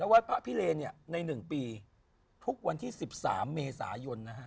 วัดพระพิเรนเนี่ยใน๑ปีทุกวันที่๑๓เมษายนนะฮะ